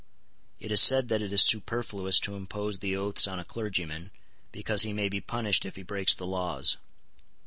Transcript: It is said that it is superfluous to impose the oaths on a clergyman, because he may be punished if he breaks the laws.